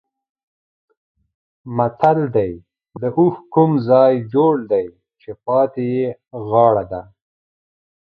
متل دی: د اوښ کوم ځای جوړ دی چې پاتې یې غاړه ده.